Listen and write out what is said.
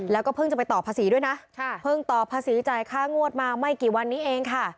แล้วก็เพิ่งจะไปต่อภาษีด้วยนะเพิ่งต่อภาษีจ่ายค่างวดมาไม่กี่วันนี้เองค่ะ